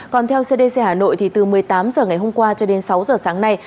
còn theo cdc hà nội thì từ một mươi tám h ngày hôm qua cho đến sáu giờ sáng nay